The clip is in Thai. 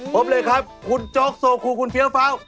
พบเลยครับคุณโจ๊กโซคูคุณเฟี้ยวฟ้าว